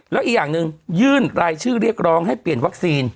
แล้วอีกอย่างหนึ่งยื่นรายชื่อเรียกร้องให้เปลี่ยนวัคซีน